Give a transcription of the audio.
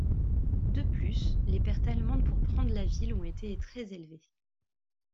De plus, les pertes allemandes pour prendre la ville ont été très élevées.